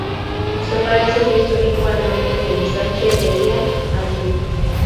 Separa el centro histórico, al norte, del Ensanche Heredia, al sur.